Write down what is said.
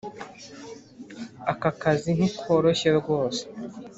Aka kazi ntikoroshye rwose